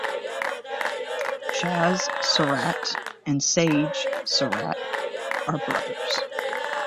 Chazz Surratt and Sage Surratt are brothers.